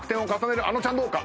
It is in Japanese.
あのちゃんどうか？